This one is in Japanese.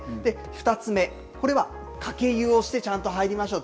２つ目、これは、かけ湯をして、ちゃんと入りましょう。